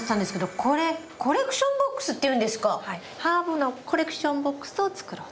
ハーブのコレクションボックスを作ろうと思います。